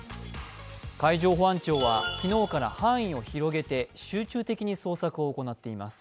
海上保安庁は昨日から範囲を広げて集中的に捜索を行っています。